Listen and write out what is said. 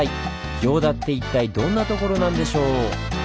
行田って一体どんな所なんでしょう？